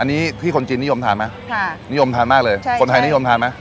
อันนี้ที่คนจีนนิยมทานไหมค่ะนิยมทานมากเลยใช่คนไทยนิยมทานไหม